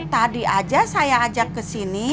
tadi aja saya ajak ke sini